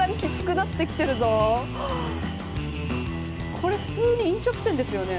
これ、普通に飲食店ですよね。